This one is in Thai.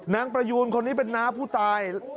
ประยูนคนนี้เป็นน้าผู้ตาย